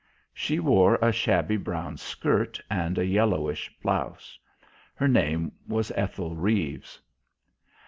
She wore a shabby brown skirt and a yellowish blouse. Her name was Ethel Reeves.